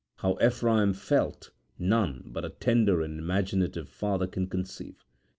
How Ephraim felt none but a tender and imaginative father can conceive.